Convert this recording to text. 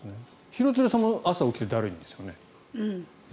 廣津留さんも朝起きてだるいんですよね。